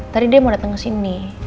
tadi dia mau dateng kesini